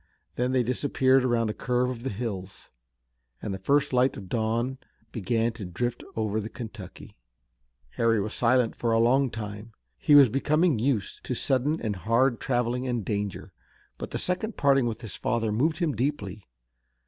Then they disappeared around a curve of the hills, and the first light of dawn began to drift over the Kentucky. Harry was silent for a long time. He was becoming used to sudden and hard traveling and danger, but the second parting with his father moved him deeply.